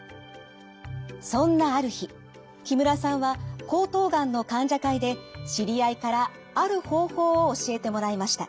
そんなある日木村さんは喉頭がんの患者会で知り合いからある方法を教えてもらいました。